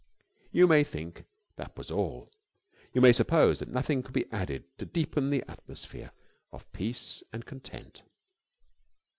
You may think that was all. You may suppose that nothing could be added to deepen the atmosphere of peace and content.